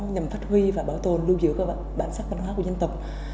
nhằm phát huy và bảo tồn lưu giữ các bản sắc văn hóa của dân tộc